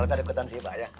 kita ada keutahan sih pak ya